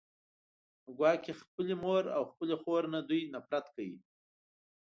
ګواکې خپلې مور او خپلې خور نه دوی نفرت کوي